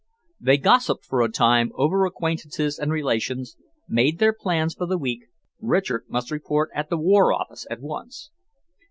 They gossiped for a time over acquaintances and relations, made their plans for the week Richard must report at the War Office at once.